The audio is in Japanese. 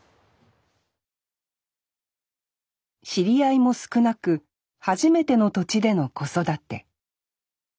知り合いも少なく初めての土地での子育て。